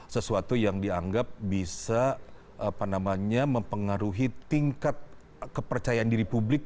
sesuatu yang dianggap bisa mempengaruhi tingkat kepercayaan diri publik